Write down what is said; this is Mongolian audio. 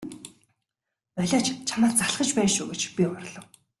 Болиоч чамаас залхаж байна шүү гэж би уурлав.